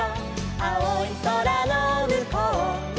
「あおいそらのむこうには」